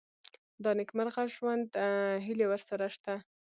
د نېکمرغه ژوند هیلې ورسره شته.